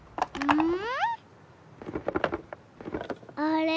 うん？